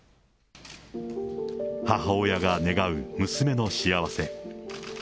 母親が願う娘の幸せ。